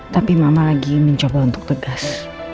tapi mama lagi mencoba untuk tegas